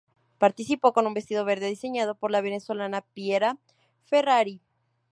Participó con un vestido verde diseñado por la venezolana Piera Ferrari.